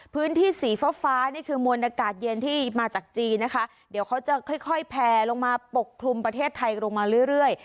พื้นที่สีฟ้าฟ้านี่คือมวลอากาศเย็นที่มาจากจีนนะคะเดี๋ยวเขาจะค่อยค่อยแพลลงมาปกคลุมประเทศไทยลงมาเรื่อย